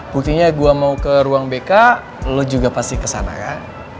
buktinya gue mau ke ruang bk lo juga pasti kesana kan